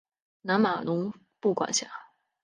南马农布管辖。